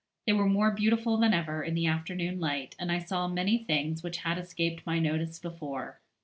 They were more beautiful than ever in the afternoon light, and I saw many things which had escaped my notice before.